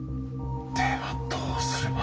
ではどうすれば。